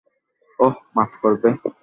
অহ, মাফ করবে।